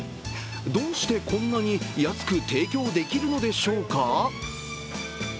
どうして、こんなに安く提供できるのでしょうか。